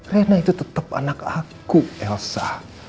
rena itu tetap anak aku elsa